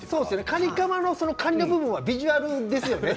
カニカマの、カニの部分はビジュアルですよね。